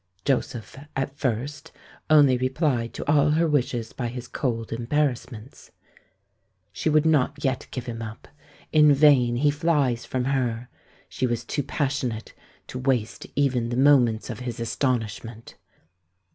Joseph at first only replied to all her wishes by his cold embarrassments. She would not yet give him up. In vain he flies from her; she was too passionate to waste even the moments of his astonishment."